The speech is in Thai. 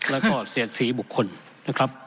แล้วก็เสียดสีบุคคลนะครับ